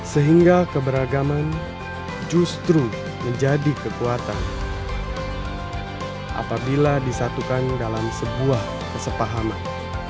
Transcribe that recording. sehingga keberagaman justru menjadi kekuatan apabila disatukan dalam sebuah kesepahaman